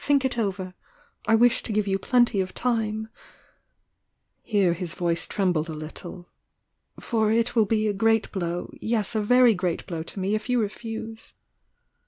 Think it over! I wish to give you plenty of time" — here his voice trembled a little — "for it will be a great blow — yes, a very great blow to me if you refuse!"